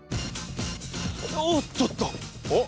おっとっとおっ！